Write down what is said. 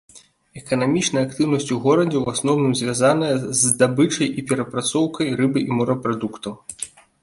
Эканамічная актыўнасць у горадзе ў асноўным звязаная з здабычай і перапрацоўкай рыбы і морапрадуктаў.